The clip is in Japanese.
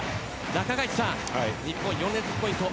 中垣内さん、日本は４連続ポイント。